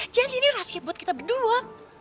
jangan jadi rahasia buat kita berdua